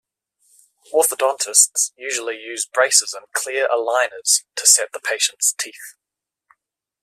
Orthodontists usually use braces and clear aligners to set the patient's teeth.